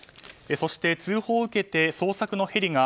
そして通報を受けて捜索のヘリが